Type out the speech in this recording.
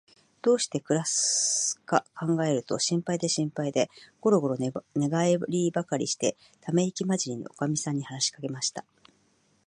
どうしてくらすかかんがえると、心配で心配で、ごろごろ寝がえりばかりして、ためいきまじりに、おかみさんに話しかけました。